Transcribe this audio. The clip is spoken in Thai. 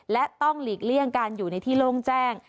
และต้องหลีกเลี่ยงการอยู่ในที่โล่งแจ้ง